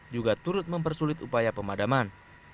juga turut mempersulit upaya pemadaman